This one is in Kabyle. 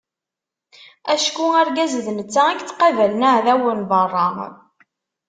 Acku argaz d netta i yettqabalen aεdaw n beṛṛa.